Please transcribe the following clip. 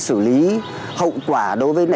xử lý hậu quả đối với